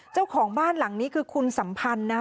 เจ้าของบ้านหลังนี้คือคุณสัมพันธ์นะฮะ